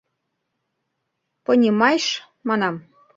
— Понимайш, — манам.